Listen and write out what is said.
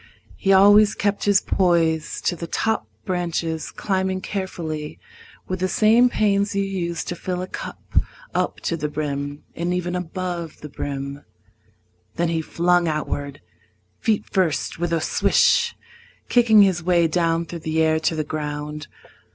He always kept his poise To the top branches, climbing carefully With the same pains you use to fill a cup Up to the brim, and even above the brim. Then he flung outward, feet first, with a swish, Kicking his way down through the air to the ground.